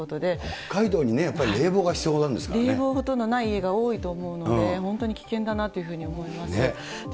北海道にね、やっぱり冷房が冷房、ほとんどない家が多いと思うので、本当に危険だなというふうに思います。